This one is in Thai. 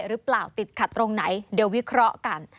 แก้ตัวแก้ตัวแก้ตัวแก้ตัว